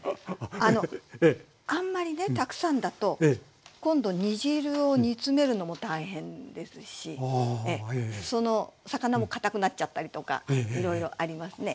あのあんまりねたくさんだと今度煮汁を煮詰めるのも大変ですしその魚もかたくなっちゃったりとかいろいろありますね。